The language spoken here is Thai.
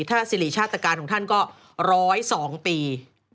ถ้าสิริชาติการของท่านก็๑๐๒ปี